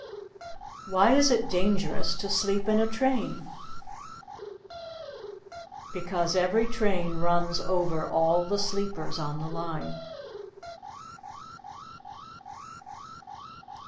Why is it dangerous to sleep in a train? Because every train runs over all the sleepers on the line.